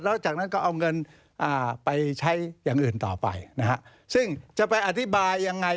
แล้วจากนั้นก็เอาเงินไปใช้อย่างอื่นต่อไปนะฮะซึ่งจะไปอธิบายยังไง